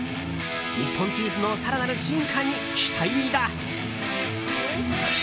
日本チーズの更なる進化に期待だ！